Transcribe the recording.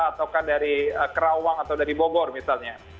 atau kan dari kerawang atau dari bogor misalnya